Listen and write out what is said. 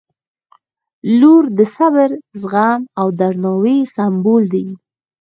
• لور د صبر، زغم او درناوي سمبول دی.